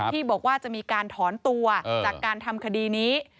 ที่บอกว่าจะมีการถอนตัวจากการทำคดีนี้